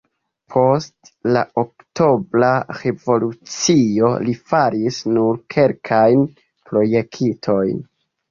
Post la Oktobra revolucio li faris nur kelkajn projektojn.